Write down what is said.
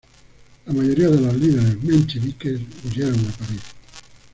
La mayoría de los líderes mencheviques huyeron a París.